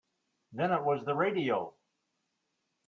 Then it was the radio.